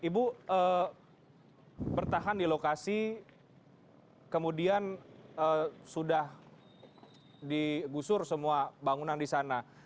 ibu bertahan di lokasi kemudian sudah digusur semua bangunan di sana